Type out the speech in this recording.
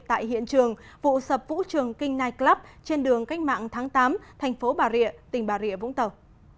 tại hiện trường vụ sập vũ trường king nightclub trên đường cách mạng tháng tám thành phố bà rịa tỉnh bà rịa vũng tàu